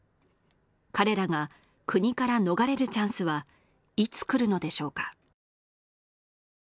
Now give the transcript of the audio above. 彼らが国から逃れるチャンスはいつ来るのでしょうか？